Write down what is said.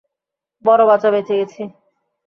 বড় বাঁচা বেঁচে গেছি।